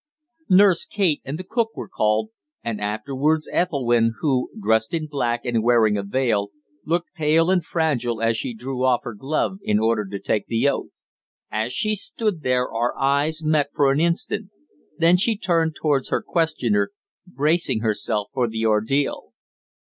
Nurse Kate and the cook were called, and afterwards Ethelwynn, who, dressed in black and wearing a veil, looked pale and fragile as she drew off her glove in order to take the oath. As she stood there our eyes met for an instant; then she turned towards her questioner, bracing herself for the ordeal.